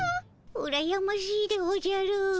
うらやましいでおじゃる。